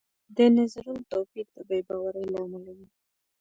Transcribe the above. د نظرونو توپیر د بې باورۍ له امله وي